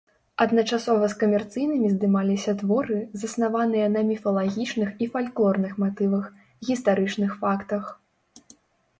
Адначасова з камерцыйнымі здымаліся творы, заснаваныя на міфалагічных і фальклорных матывах, гістарычных фактах.